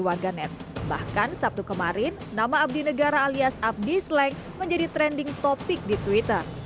warganet bahkan sabtu kemarin nama abdi negara alias abdi sleng menjadi trending topic di twitter